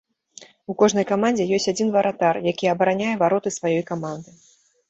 У кожнай камандзе ёсць адзін варатар, які абараняе вароты сваёй каманды.